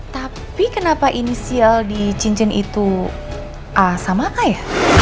tapi kenapa inisial di cincin itu sama kak ya